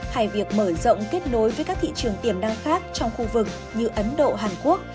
hay việc mở rộng kết nối với các thị trường tiềm năng khác trong khu vực như ấn độ hàn quốc